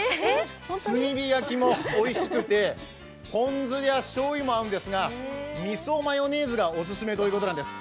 炭火焼きもおいしくてポン酢やしょうゆも合うんですがみそマヨネーズがオススメということなんです